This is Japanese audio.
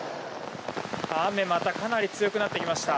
雨、またかなり強くなってきました。